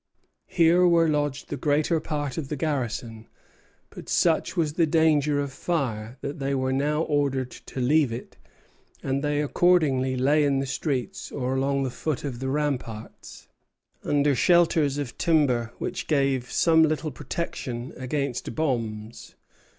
Here were lodged the greater part of the garrison: but such was the danger of fire, that they were now ordered to leave it; and they accordingly lay in the streets or along the foot of the ramparts, under shelters of timber which gave some little protection against bombs.